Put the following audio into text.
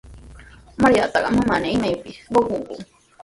Mariataqa manami imapis qukunku.